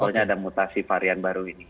sebetulnya ada mutasi varian baru ini